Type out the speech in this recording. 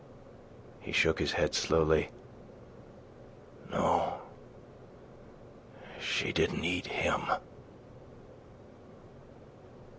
He shook his head slowly. "No, she didn't eat him.